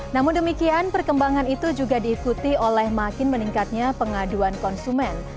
namun demikian perkembangan itu juga diikuti oleh makin meningkatnya pengaduan konsumen